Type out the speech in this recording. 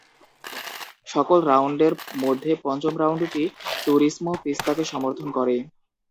সকল রাউন্ডের মধ্যে পঞ্চম রাউন্ডটি তুরিসমো পিস্তাকে সমর্থন করে।